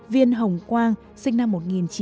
viên hồng quang sinh năm một nghìn chín trăm chín mươi năm